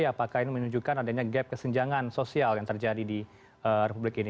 apakah ini menunjukkan adanya gap kesenjangan sosial yang terjadi di republik ini